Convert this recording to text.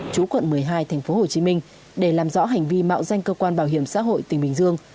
chú quận một mươi hai tp hcm để làm rõ hành vi mạo danh cơ quan bảo hiểm xã hội tỉnh bình dương